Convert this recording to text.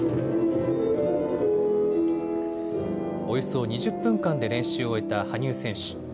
およそ２０分間で練習を終えた羽生選手。